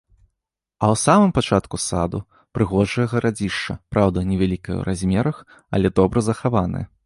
А ў самым пачатку саду прыгожае гарадзішча, праўда, невялікае ў размерах, але добра захаванае.